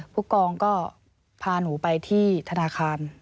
ผู้กองก็พาหนูไปที่ธนาคาร